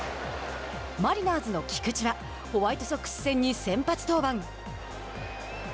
マリナーズの菊池はホワイトソックス戦に先発登板。